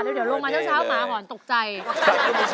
เดี๋ยวลงมาเช้าหมาหอนตกใจ